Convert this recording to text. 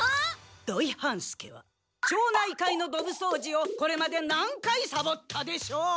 土井半助は町内会のドブそうじをこれまで何回サボったでしょう？